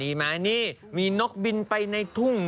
นี้มีนกบินไปในทุ่ง